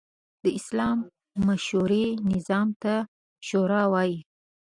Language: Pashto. اسلام د مشورې نظام ته “شورا” وايي.